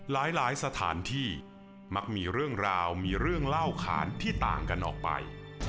หลายสถานที่มักมีเรื่องราวมีเรื่องเล่าขานที่ต่างกันออกไป